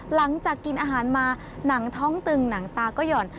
หลังจากกินอาหารมาหนังท้องตึงหนังตาก็หย่อน